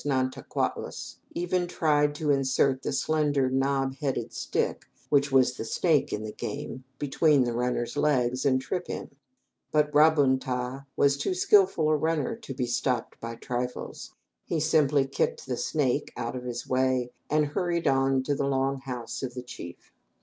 Nan ta qua us, even tried to insert the slender knob headed stick, which was the "snake" in the game, between the runner's legs, and trip him up. But Ra bun ta was too skilful a runner to be stopped by trifles; he simply kicked the "snake" out of his way, and hurried on to the long house of the chief.